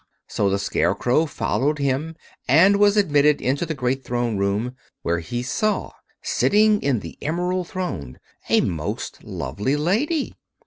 So the Scarecrow followed him and was admitted into the great Throne Room, where he saw, sitting in the emerald throne, a most lovely Lady.